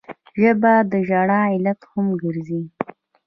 ژبه د ژړا علت هم ګرځي